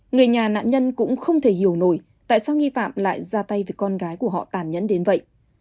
người nhà nạn nhân cũng không thể hiểu nổi tại sao nghi phạm lại ra tay với con gái của họ tàn nhẫn đến vậy